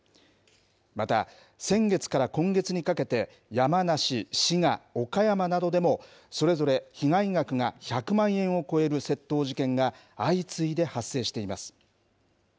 また、先月から今月にかけて、山梨、滋賀、岡山などでも、それぞれ被害額が１００万円を超える窃盗事件が相次いで発生しています。